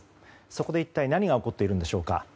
そこで一体何が起こっているのでしょうか。